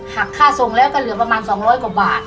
หักค่าส่งแล้วก็เหลือประมาณ๒๐๐กว่าบาท